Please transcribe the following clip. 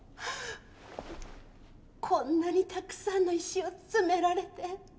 こんなにたくさんの石を詰められて。